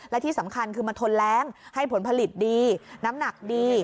และที่สำคัญคือมันทนแรงให้ผลผลิตดีน้ำหนักดี